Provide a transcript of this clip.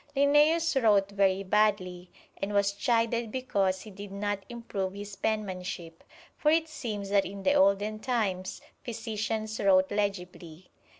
Linnæus wrote very badly, and was chided because he did not improve his penmanship, for it seems that in the olden times physicians wrote legibly.